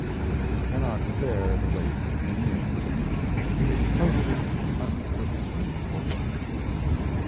I cannot bear the weight any longer. It totally unfits me for work.